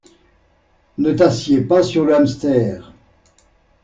Ne t'assieds pas sur le hamster!